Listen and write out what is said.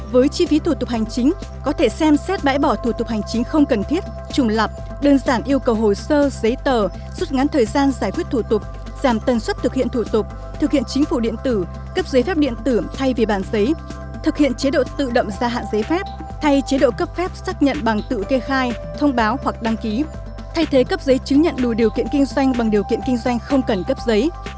với chi phí thủ tục hành chính có thể xem xét bãi bỏ thủ tục hành chính không cần thiết trùng lặp đơn giản yêu cầu hồ sơ giấy tờ rút ngắn thời gian giải quyết thủ tục giảm tần suất thực hiện thủ tục thực hiện chính phủ điện tử cấp giấy phép điện tử thay vì bản giấy thực hiện chế độ tự động gia hạn giấy phép thay chế độ cấp phép xác nhận bằng tự kê khai thông báo hoặc đăng ký thay thế cấp giấy chứng nhận đủ điều kiện kinh doanh bằng điều kiện kinh doanh không cần cấp giấy